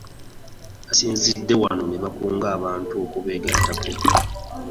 Basinzidde wano ne bakunga abantu okubeegattako.